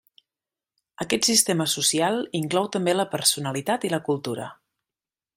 Aquest sistema social inclou també la personalitat i la cultura.